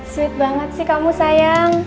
sulit banget sih kamu sayang